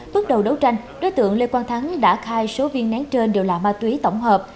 bước đầu đấu tranh đối tượng lê quang thắng đã khai số viên nén trên đều là ma túy tổng hợp